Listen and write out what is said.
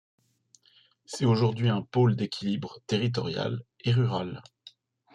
C'est aujourd'hui un pôle d'équilibre territorial et rural.